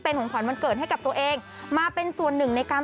ของขวัญวันเกิดให้กับตัวเองมาเป็นส่วนหนึ่งในการ